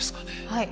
はい。